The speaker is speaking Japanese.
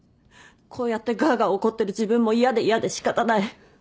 こうやってがあがあ怒ってる自分も嫌で嫌で仕方ない。